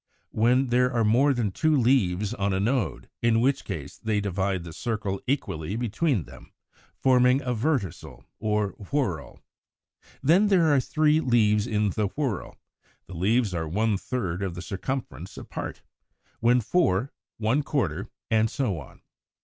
183) when there are more than two leaves on a node, in which case they divide the circle equally between them, forming a Verticel or whorl. When there are three leaves in the whorl, the leaves are one third of the circumference apart; when four, one quarter, and so on.